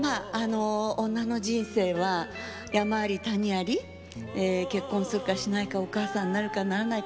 女の人生は山あり谷あり結婚するか、しないかお母さんになるかならないか。